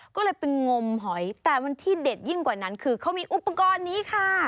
ก็เลยไปงมหอยแต่มันที่เด็ดยิ่งกว่านั้นคือเขามีอุปกรณ์นี้ค่ะ